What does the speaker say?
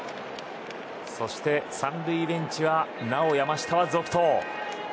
そして３塁ベンチなおも山下は続投。